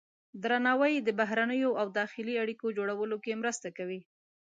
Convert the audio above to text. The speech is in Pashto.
درناوی د بهرنیو او داخلي اړیکو جوړولو کې مرسته کوي.